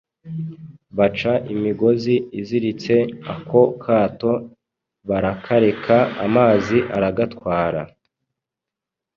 baca imigozi iziritse ako kato, barakareka amazi aragatwara.”